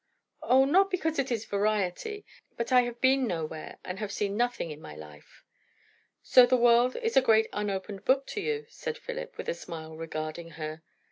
"O, not because it is variety. But I have been nowhere and have seen nothing in my life." "So the world is a great unopened book to you?" said Philip, with a smile regarding her.